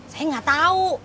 saya gak tau